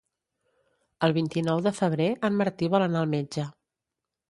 El vint-i-nou de febrer en Martí vol anar al metge.